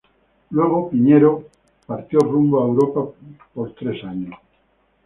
Luego Piñero partió rumbo a Europa por tres años.